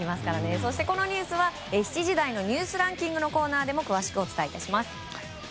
そして、このニュースは７時台のニュースランキングのコーナーでも詳しくお伝え致します。